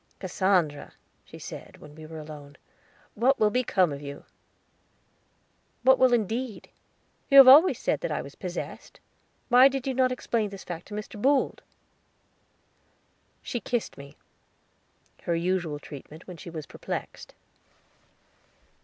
"Cassandra," she said, when we were alone, "what will become of you?" "What will, indeed? You have always said that I was possessed. Why did you not explain this fact to Mr. Boold?" She kissed me, her usual treatment when she was perplexed.